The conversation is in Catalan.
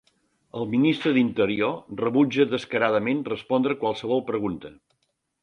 El ministre d'Interior rebutja descaradament respondre a qualsevol pregunta.